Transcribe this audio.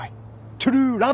トゥルーラブ。